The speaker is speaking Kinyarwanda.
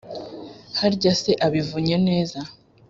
harya se abivunnye neza